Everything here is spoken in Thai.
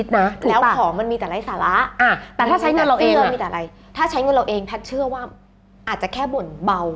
ถ้าใช้เงินเดือนจังกว่าอาจจะแค่บ่นเบา